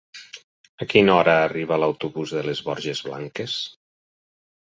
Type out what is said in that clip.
A quina hora arriba l'autobús de les Borges Blanques?